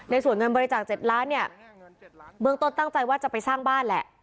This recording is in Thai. ส่วนเงินบริจาค๗ล้านเนี่ยเบื้องต้นตั้งใจว่าจะไปสร้างบ้านแหละ